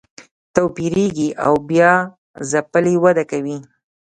توییږي او بیا ځپلې وده کوي